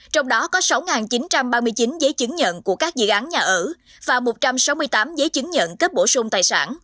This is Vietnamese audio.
trong đó có sáu chín trăm ba mươi chín giấy chứng nhận của các dự án nhà ở và một trăm sáu mươi tám giấy chứng nhận cấp bổ sung tài sản